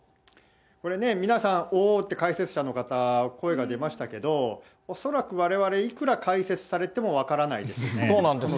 これね、皆さん、おー！って、解説者の方、声が出ましたけど、恐らくわれわれ、いくら解説されても分からないですね。